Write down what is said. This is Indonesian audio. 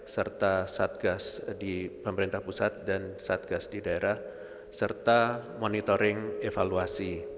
serta satgas di pemerintah pusat dan satgas di daerah serta monitoring evaluasi